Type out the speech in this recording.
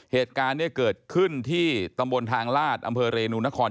เหตุการณ์เนี่ยเกิดขึ้นที่ตำบลทางลาดอำเภอเรนูนคร